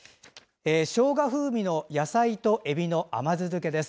しょうが風味の野菜とえびの甘酢漬けです。